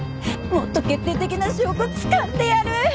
もっと決定的な証拠つかんでやる！